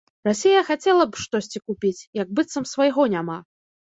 Расія хацела б штосьці купіць, як быццам свайго няма.